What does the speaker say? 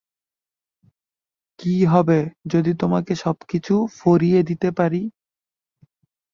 কি হবে যদি তোমাকে সবকিছু ফরিয়ে দিতে পারি?